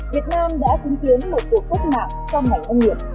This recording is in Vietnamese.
việt nam đã chứng kiến một cuộc cách mạng trong ngành nông nghiệp